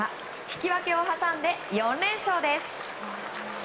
引き分けを挟んで４連勝です。